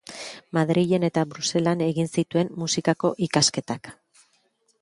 Madrilen eta Bruselan egin zituen Musikako ikasketak.